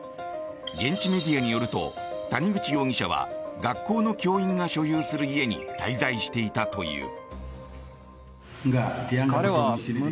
現地メディアによると谷口容疑者は学校の教員が所有する家に滞在していたという。